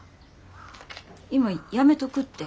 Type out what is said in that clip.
今やめとくって。